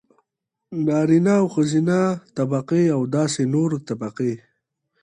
نارينه او ښځينه طبقې او داسې نورې طبقې.